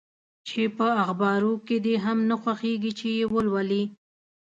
چي په اخبارو کي دي هم نه خوښیږي چي یې ولولې؟